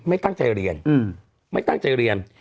ไม่ตั้งใจเรียน